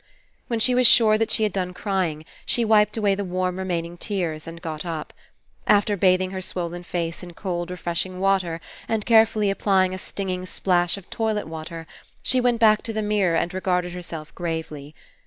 When she was sure that she had done crying, she wiped away the warm remaining tears and got up. After bathing her swollen face in cold, refreshing water and carefully applying a stinging splash of toilet water, she went back to the mirror and regarded herself gravely.